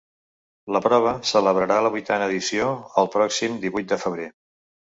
La prova celebrarà la vuitena edició el pròxim divuit de febrer.